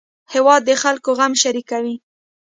هېواد د خلکو غم شریکوي